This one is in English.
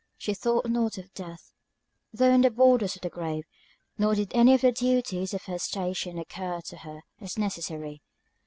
She thought not of death, though on the borders of the grave; nor did any of the duties of her station occur to her as necessary.